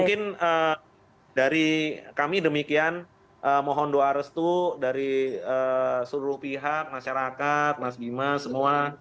mungkin dari kami demikian mohon doa restu dari seluruh pihak masyarakat mas bima semua